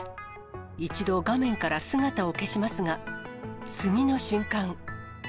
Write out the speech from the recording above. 一度、画面から姿を消しますが、次の瞬間。